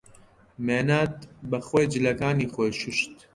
مێناد بەخۆی جلەکانی خۆی شووشت.